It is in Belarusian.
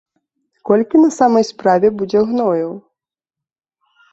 Колькі на самой справе будзе гною?